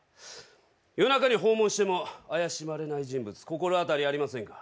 夜中に訪問しても怪しまれない人物心当たりありませんか？